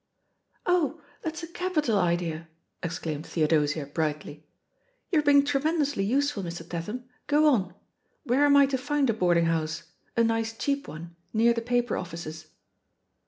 "Oh, that's a capital idea," exclaimed Theo dosia brightly. "You're being tremendously useful, Mr. Tatham. Go on I Where am I to find a boarding house, a nice cheap one, near the paper offices?"